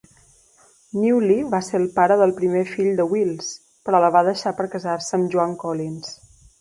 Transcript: Newley va ser el pare del primer fill de Wills, però la va deixar per casar-se amb Joan Collins.